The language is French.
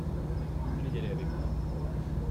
Vous voulez y aller avec moi ?